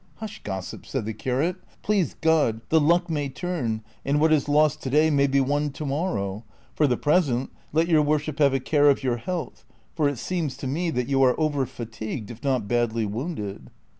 " Hush, gossip," said the curate ;" please God, the luck may turn, and what is lost to day may be won to morrow ; for the present let your worship have a care of your health, for it seems to me that you are over fatigued, if not badly woimded."